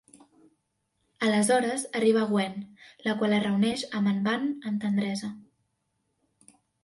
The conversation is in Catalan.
Aleshores arriba Gwen, la qual es reuneix amb en Van amb tendresa.